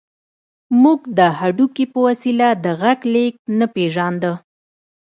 موږ د هډوکي په وسیله د غږ لېږد نه پېژانده